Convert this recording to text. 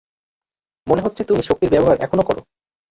মনে হচ্ছে তুমি শক্তির ব্যবহার এখনও করো।